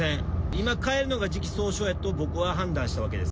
今帰るのが時期尚早だと僕は判断したわけです。